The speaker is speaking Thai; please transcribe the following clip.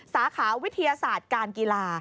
สาขาวิทยาศาสตร์การกีฬา